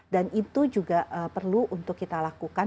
dan itu juga perlu untuk kita lakukan